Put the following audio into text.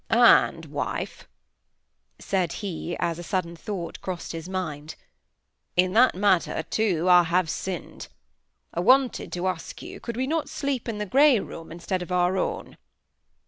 And, wife," said he, as a sudden thought crossed his mind, "in that matter I, too, have sinned. I wanted to ask you, could we not sleep in the grey room, instead of our own?"